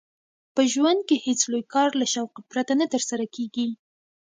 په ژوند کښي هېڅ لوى کار له شوقه پرته نه ترسره کېږي.